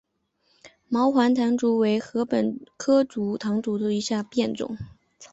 毛环唐竹为禾本科唐竹属下的一个种。